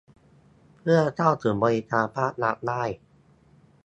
เพื่อเข้าถึงบริการภาครัฐได้